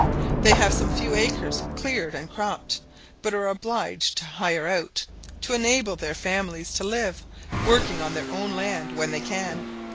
They have some few acres cleared and cropped, but are obliged to "hire out", to enable their families to live, working on their own land when they can.